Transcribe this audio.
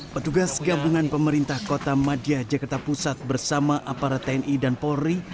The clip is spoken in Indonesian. petugas gabungan pemerintah kota madia jakarta pusat bersama aparat tni dan polri